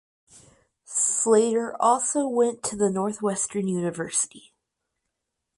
Slater also went to the Northwestern University.